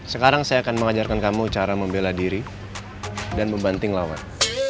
sekarang saya akan mengajarkan kamu cara membela diri dan membanting lawan